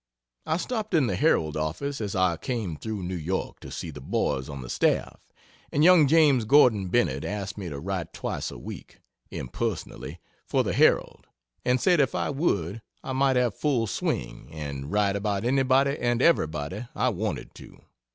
I stopped in the Herald office as I came through New York, to see the boys on the staff, and young James Gordon Bennett asked me to write twice a week, impersonally, for the Herald, and said if I would I might have full swing, and (write) about anybody and everybody I wanted to.